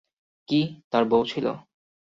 কী, তার বউ ছিল?